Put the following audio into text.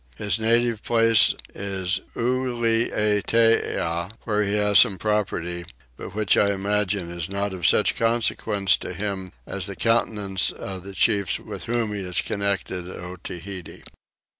His native place is Ulietea, where he has some property, but which I imagine is not of such consequence to him as the countenance of the chiefs with whom he is connected at Otaheite.